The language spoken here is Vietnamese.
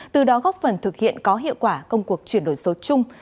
từ đó góp phần thực hiện có hiệu quả công cuộc chuyển đổi số chung